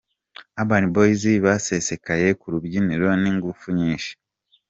Urban Boyz basesekaye ku rubyiniro n'ingufu nyinshi.